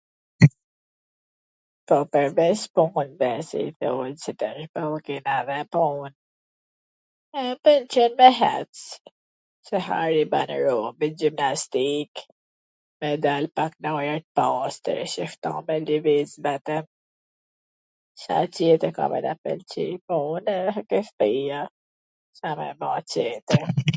po pwrveC punvw si duhen bo, se kena dhe pun, m pwlqen me hec, se hajwr i ban robit, gjimnastik, me dal pak n ajwr t pastwr, e shifto me liviz me tw , Ca tjetwr ka me na pwlqy, po un rri ke shpija, Ca me ba tjetwr...